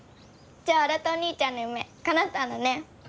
じゃあ新お兄ちゃんの夢かなったんだね。